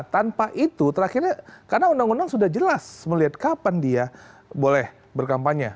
tanpa itu terakhirnya karena undang undang sudah jelas melihat kapan dia boleh berkampanye